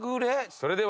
それでは。